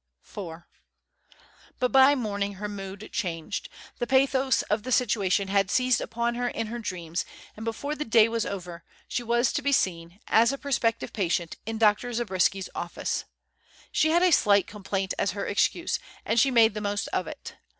IV But by morning her mood changed. The pathos of the situation had seized upon her in her dreams, and before the day was over, she was to be seen, as a prospective patient, in Dr. Zabriskie's office. She had a slight complaint as her excuse, and she made the most of it.